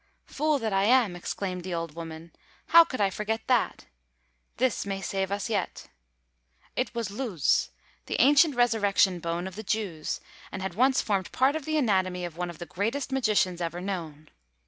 "Fool that I am," exclaimed the old woman, "how could I forget that! This may save us yet." (It was Luz, the ancient resurrection bone of the Jews, and had once formed part of the anatomy of one of the greatest magicians ever known.)